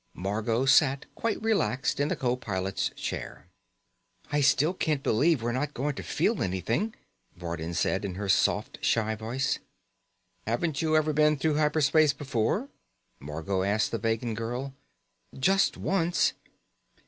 Margot sat, quite relaxed, in the co pilot's chair. "I still can't believe we're not going to feel anything," Vardin said in her soft, shy voice. "Haven't you ever been through hyper space before?" Margot asked the Vegan girl. "Just once."